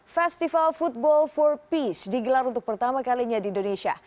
festival football for peace digelar untuk pertama kalinya di indonesia